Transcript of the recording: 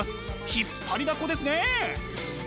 引っ張りだこですねえ！